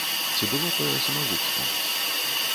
Ці было тое самагубствам?